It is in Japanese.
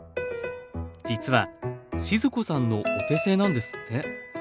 実は静子さんのお手製なんですって。